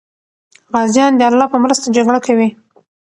غازیان د الله په مرسته جګړه کوي.